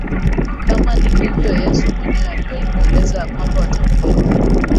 kama nilivyo Yesu mwenyewe aliwahi kueleza ya kwamba watakuwepo